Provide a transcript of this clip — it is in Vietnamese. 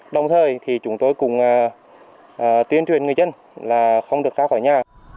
đồng thời thì chúng tôi cũng tuyên truyền người dân là không được ra khỏi nhà